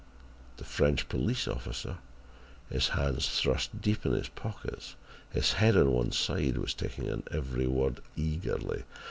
The French police officer, his hands thrust deep in his pockets, his head on one side, was taking in every word eagerly.